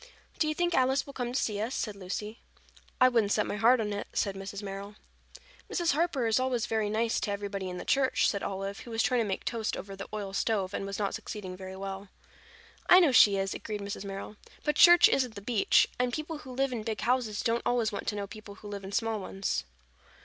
"Do you think Alice will come to see us?" asked Lucy. "I wouldn't set my heart on it," said Mrs. Merrill. "Mrs. Harper is always very nice to everybody in the church," said Olive, who was trying to make toast over the oil stove and was not succeeding very well. "I know she is," agreed Mrs. Merrill. "But church isn't the beach, and people who live in big houses don't always want to know people who live in small ones."